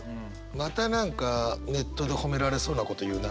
また何かネットで褒められそうなこと言うな。